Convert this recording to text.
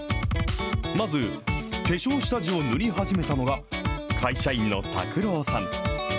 まず、化粧下地を塗り始めたのが、会社員の拓朗さん。